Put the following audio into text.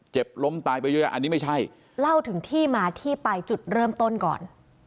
ล้มตายไปเยอะอันนี้ไม่ใช่เล่าถึงที่มาที่ไปจุดเริ่มต้นก่อน